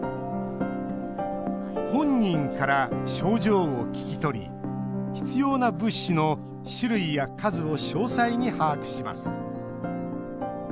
本人から症状を聞き取り必要な物資の種類や数を詳細に把握します。